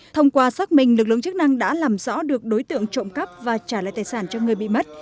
thông qua xác minh lực lượng chức năng đã làm rõ được đối tượng trộm cắp và trả lại tài sản cho người bị mất